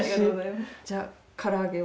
じゃあから揚げを。